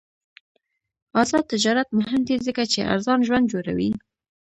آزاد تجارت مهم دی ځکه چې ارزان ژوند جوړوي.